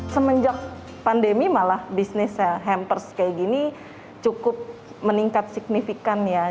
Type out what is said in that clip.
semenjak pandemi malah bisnis hampers kayak gini cukup meningkat signifikan ya